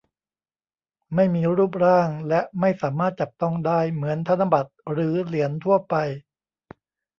ไม่มีรูปร่างและไม่สามารถจับต้องได้เหมือนธนบัตรหรือเหรียญทั่วไป